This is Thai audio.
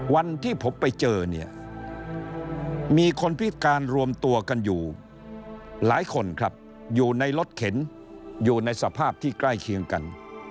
วันที่ผมไปเจอเนี่ยมีคนพิการรวมตัวกันอยู่หลายคนครับอยู่ในรถเข็นอยู่ในสภาพที่ใกล้เคียงกัน